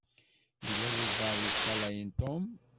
Yella walebɛaḍ i yeṭṭalayen Tom.